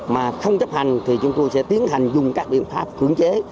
mà không chấp hành thì chúng tôi sẽ tiến hành dùng các biện pháp cưỡng chế